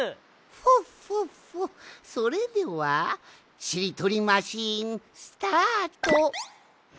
フォッフォッフォそれではしりとりマシーンスタート！